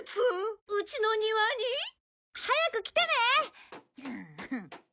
うちの庭に？早く来てね！